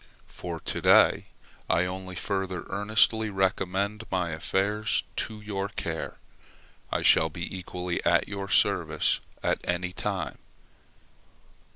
For to day, I only further earnestly recommend my affairs to your care; I shall be equally at your service at any time.